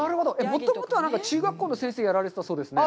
もともとは中学校の先生をやられてたそうですね。